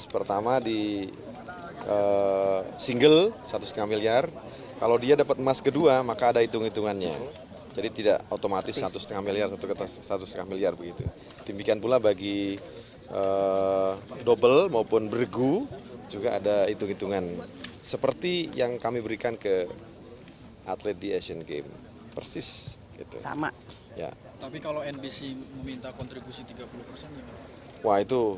pemerintah yang memiliki masing masing atlet adalah masing masing atlet